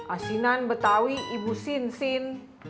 asinan betawi ibu sinsin